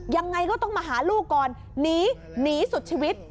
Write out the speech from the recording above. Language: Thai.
ยังไงก็ต้องมาหาลูกก่อนหนีหนีสุดชีวิต